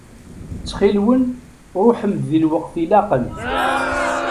Ttxil-nwen ṛuḥem-d di lweqt ilaqen.